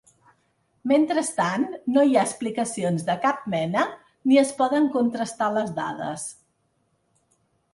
Mentrestant, no hi ha explicacions de cap mena ni es poden contrastar les dades.